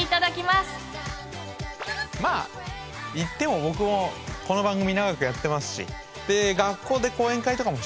まあ言っても僕もこの番組長くやってますし。